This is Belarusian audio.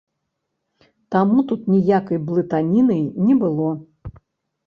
Таму тут ніякай блытаніны не было.